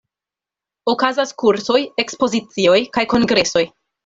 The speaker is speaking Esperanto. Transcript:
Okazas kursoj, ekspozicioj kaj kongresoj.